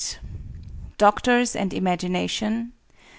DOCTORS AND IMAGINATION.